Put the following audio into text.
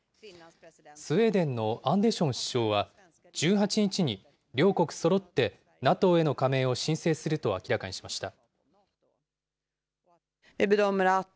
スウェーデンのアンデション首相は、１８日に、両国そろって、ＮＡＴＯへの加盟を申請すると明らかにしました。